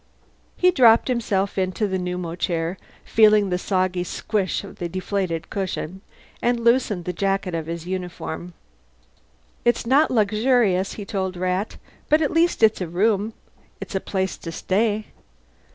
He dropped himself into the pneumochair, feeling the soggy squish of the deflated cushion, and loosened the jacket of his uniform. "It's not luxurious," he told Rat. "But at least it's a room. It's a place to stay."